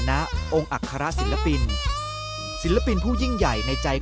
เมื่อเวลาเมื่อเวลา